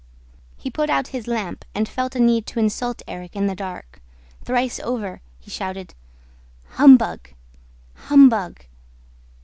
He put out his lamp and felt a need to insult Erik in the dark. Thrice over, he shouted: "Humbug! ... Humbug!